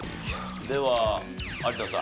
では有田さん。